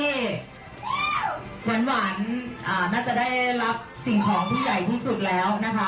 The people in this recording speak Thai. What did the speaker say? อ่อนกระหย่าง๒๕ชั่วโมงลับไปเลยค่ะ